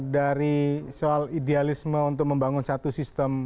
dari soal idealisme untuk membangun satu sistem